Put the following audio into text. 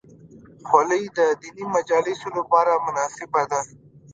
خولۍ د دیني مجالسو لپاره مناسبه ده.